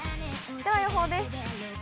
では予報です。